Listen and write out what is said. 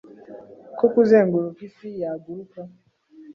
Ko kuzenguruka isi yaguruka,